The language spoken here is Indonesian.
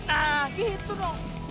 nah gitu dong